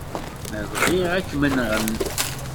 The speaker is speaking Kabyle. Ma bɣiɣ, ad kem-nɣen.